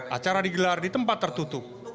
acara digelar di tempat tertutup